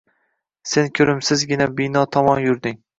Sen ko’rimsizgina bino tomon yurding.